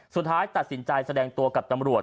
สุดท้ายตัดสินใจแสดงตัวกับตำรวจ